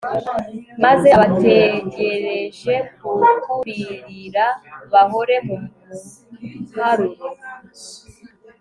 maze abategereje kukuririra bahore mu muharuro